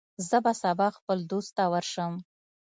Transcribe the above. زه به سبا خپل دوست ته ورشم.